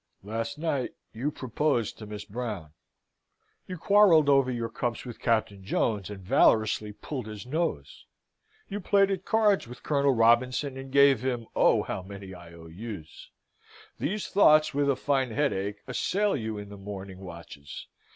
Last night you proposed to Miss Brown: you quarrelled over your cups with Captain Jones, and valorously pulled his nose: you played at cards with Colonel Robinson, and gave him oh, how many I O U's! These thoughts, with a fine headache, assail you in the morning watches.